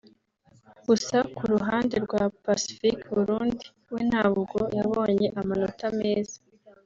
gusa ku ruhande rwa Pacifique (Burundi) we ntabwo yabonye amanota meza